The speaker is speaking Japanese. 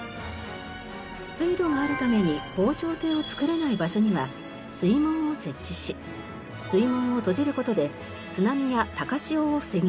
水路があるために防潮堤を造れない場所には水門を設置し水門を閉じる事で津波や高潮を防ぎます。